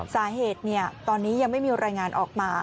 สาเหตุตอนนี้ยังไม่มีรายงานออกมา